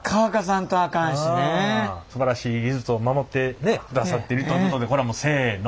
すばらしい技術を守ってくださっているということでこれはもうせの。